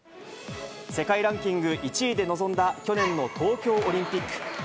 世界ランキング１位で臨んだ去年の東京オリンピック。